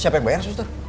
siapa yang bayar suster